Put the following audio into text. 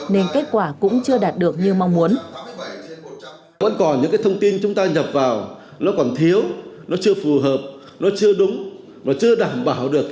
nên kết quả cũng chưa đạt được như mong muốn